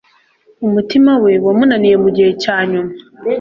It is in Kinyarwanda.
Umutima we wamunaniye mugihe cyanyuma.